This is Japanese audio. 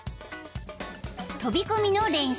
［飛び込みの練習］